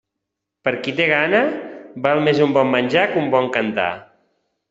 Per qui té gana, val més un bon menjar que un bon cantar.